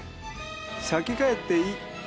先帰っていい。